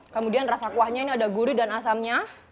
kemudian rasa kuahnya ini ada gurih dan asamnya